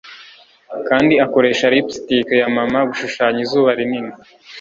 Kandi akoresha lipstick ya mama gushushanya izuba rinini